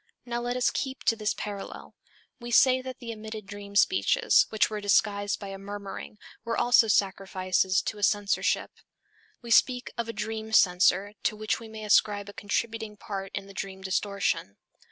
Now let us keep to this parallel. We say that the omitted dream speeches, which were disguised by a murmuring, were also sacrifices to a censorship. We actually speak of a dream censor to which we may ascribe a contributing part in the dream distortion.